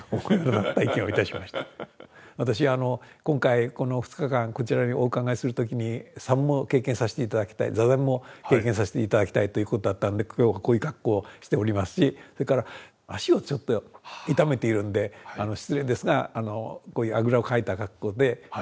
私今回この２日間こちらにお伺いする時に作務を経験させて頂きたい坐禅も経験させて頂きたいということだったんで今日こういう格好をしておりますしそれから足をちょっと痛めているんで失礼ですがこういうあぐらをかいた格好で対応させて下さい。